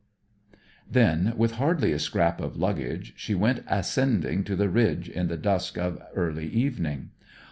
Then, with hardly a scrap of luggage, she went, ascending to the ridge in the dusk of early evening.